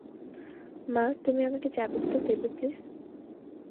মা, তুমি আমাকে চাবিগুলো দেবে প্লিজ?